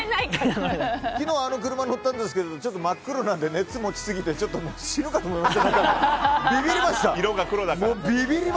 昨日、あの車に乗ったんですがちょっと真っ黒なので熱を持ちすぎてちょっと死ぬかと思いました。